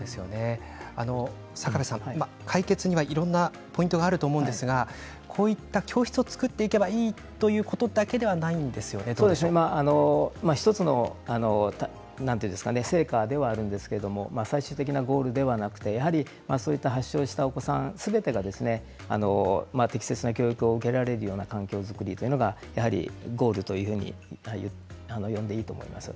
解決にはいろんなポイントがあると思うんですがこういった教室を作っていけばいいということ１つの成果ではあるんですけれど最終的なゴールではなくて発症したお子さんすべてが適切な教育を受けられるような環境づくりというのがやはりゴールというふうに呼んでいいと思います。